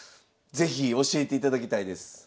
是非教えていただきたいです。